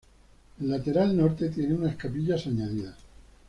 El lateral norte tiene unas capillas añadidas.